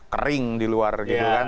kering di luar gitu kan